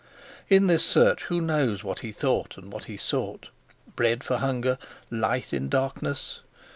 In this search, who knows what he thought and what he sought? Bread for hunger—light in darkness?